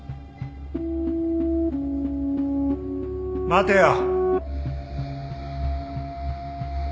待てよ。